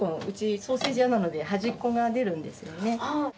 うちソーセージ屋なので端っこが出るんですよね。